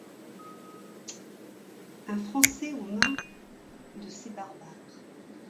Un Français aux mains de ces barbares!